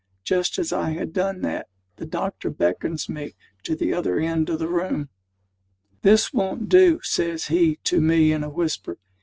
Just as I had done that, the doctor beckons me to the other end of the room. "This won't do," says he to me in a whisper.